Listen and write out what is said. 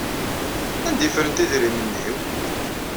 Anda ay ffrent idrimen-inu?